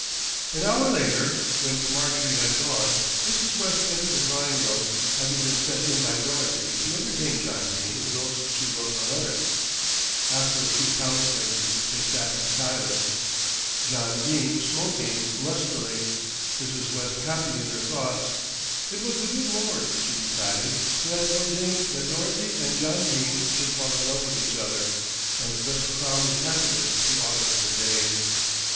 An hour later, when Marjorie had gone, Mrs. West entered the drawing room, having been sent in by Dorothy to entertain John Dene whilst she wrote a letter. After a few commonplaces they sat in silence, John Dene smoking lustily, Mrs. West happy in her thoughts. It was the Good Lord, she decided, who had ordained that Dorothy and John Dene should fall in love with each other, and thus crown with happiness the autumn of her days.